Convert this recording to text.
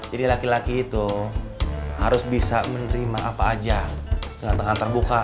jadi laki laki itu harus bisa menerima apa aja dengan tangan terbuka